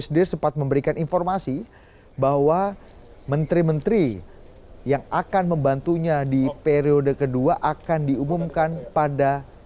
dpr dpr dan dpd